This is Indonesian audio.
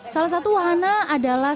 salah satu wahana adalah